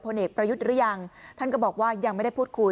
เอกประยุทธ์หรือยังท่านก็บอกว่ายังไม่ได้พูดคุย